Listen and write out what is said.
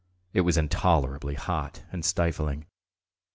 It was intolerably hot and stifling.